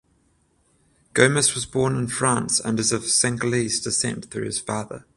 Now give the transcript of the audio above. Gomis was born in France and is of Senegalese descent through his father.